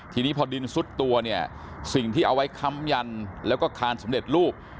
ทีนี้พอดินซุดตัวเนี่ยสิ่งที่เอาไว้ค้ำยันแล้วก็คานสำเร็จรูป